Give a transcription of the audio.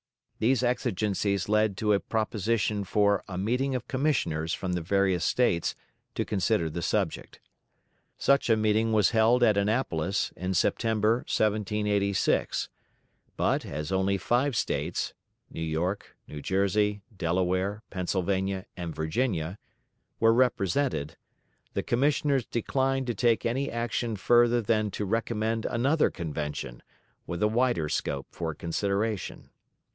These exigencies led to a proposition for a meeting of commissioners from the various States to consider the subject. Such a meeting was held at Annapolis in September, 1786; but, as only five States (New York, New Jersey, Delaware, Pennsylvania, and Virginia) were represented, the Commissioners declined to take any action further than to recommend another Convention, with a wider scope for consideration.